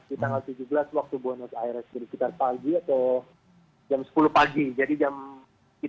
di tanggal tujuh belas waktu buenos aires jadi sekitar pagi atau jam sepuluh pagi